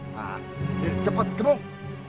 nah cepat kemung